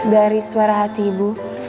dari suara hati ibu